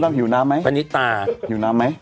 เยือนยุนอยู่น้ำมั้ยพะนี่ตาอยู่น้ำมั้ย